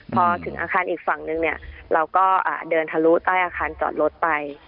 พอถึงอาคารอีกฝั่งนึงเนี่ยเราก็เดินทะลุใต้อาคารจอดรถไป